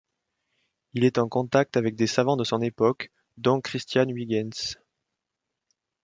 Il est en contact avec des savants de son époque, dont Christiaan Huygens.